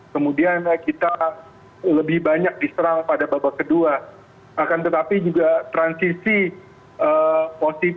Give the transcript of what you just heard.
kemudian kita lebih banyak diperhatikan